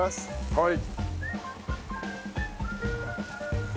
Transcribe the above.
はい。